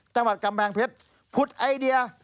จังหวัดกำแพงเพชรผุดไอเดีย